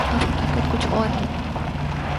اب حقیقت کچھ اور ہے۔